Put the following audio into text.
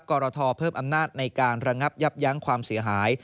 กรทเพิ่มอำนาจในการระงับยับยั้งความเสียหาย